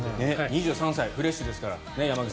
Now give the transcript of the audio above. ２３歳、フレッシュです。